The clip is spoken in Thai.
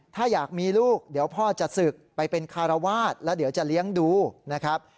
ถ้าอยากมีลูกเดี๋ยวพ่อจะศึกไปเป็นคารวาสแล้วเดี๋ยวจะเลี้ยงดูนะครับ